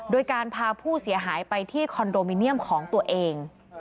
โดยการพาผู้เสียหายไปที่คอนโดมิเนียมของตัวเอง